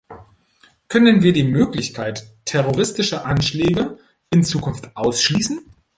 Können wir die Möglichkeit terroristischer Anschläge in Zukunft ausschließen?